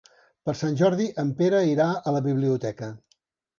Per Sant Jordi en Pere irà a la biblioteca.